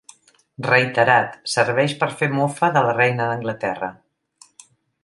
Reiterat, serveix per fer mofa de la reina d'Anglaterra.